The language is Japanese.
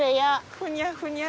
ふにゃふにゃや。